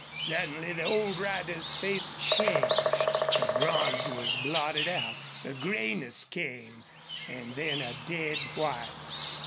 Suddenly the old rider's face changed the bronze was blotted out a grayness came, and then a dead white.